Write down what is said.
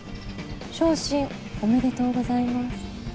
昇進おめでとうございます。